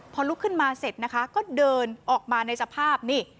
พอลุกขึ้นมาเสร็จนะคะก็เดินออกมาในสภาพนี่